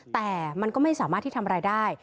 แต่มันก็ไม่สามารถที่ทำอะไรได้